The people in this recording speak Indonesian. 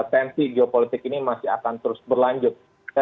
tensi geopolitik ini masih akan terus berlanjut